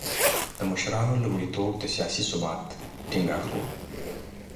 د مشرانو لومړیتوب د سیاسي ثبات ټینګښت و.